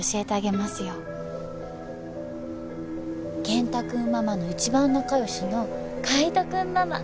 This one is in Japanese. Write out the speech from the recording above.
健太君ママの一番仲良しの海斗君ママ。